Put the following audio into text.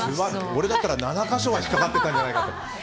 俺だったら７か所は引っかかってたんじゃないかと。